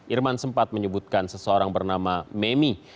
irman sempat menyebutkan seseorang bernama memi